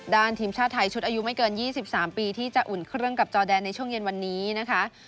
ทีมชาติไทยชุดอายุไม่เกิน๒๓ปีที่จะอุ่นเครื่องกับจอแดนในช่วงเย็นวันนี้นะคะ